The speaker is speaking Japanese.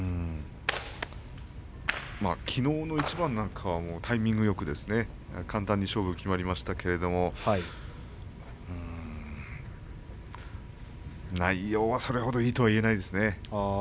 きのうの一番なんかはタイミングよく簡単に勝負が決まりましたけどうーん内容はそれほどいいとは言えないですね。